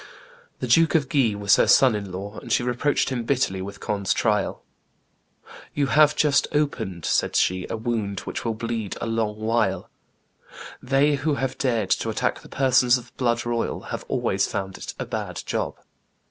The Duke of Guise was her son in law, and she reproached him bitterly with Conde's trial. "You have just opened," said she, "a wound which will bleed a long while; they who have dared to attack persons of the blood royal have always found it a bad job."